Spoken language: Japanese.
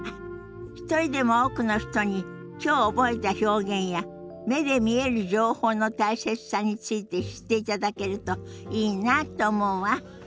一人でも多くの人にきょう覚えた表現や目で見える情報の大切さについて知っていただけるといいなって思うわ。